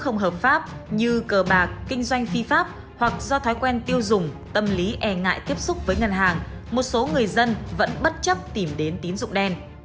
không hợp pháp như cờ bạc kinh doanh phi pháp hoặc do thói quen tiêu dùng tâm lý e ngại tiếp xúc với ngân hàng một số người dân vẫn bất chấp tìm đến tín dụng đen